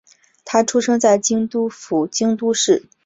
她出生在京都府京都市。